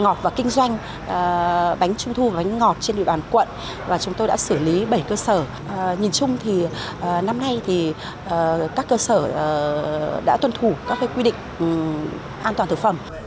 ngọt và kinh doanh bánh trung thu bánh ngọt trên địa bàn quận và chúng tôi đã xử lý bảy cơ sở nhìn chung thì năm nay thì các cơ sở đã tuân thủ các quy định an toàn thực phẩm